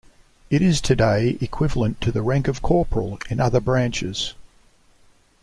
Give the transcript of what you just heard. It is today equivalent to the rank of corporal in other branches.